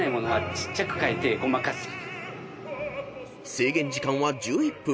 ［制限時間は１１分］